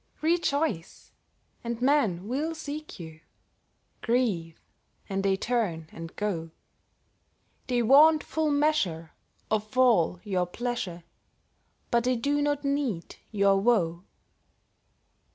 Rejoice, and men will seek you; Grieve, and they turn and go; They want full measure of all your pleasure, But they do not need your woe.